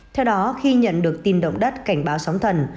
theo đó khi nhận được tin động đất cảnh báo sóng thần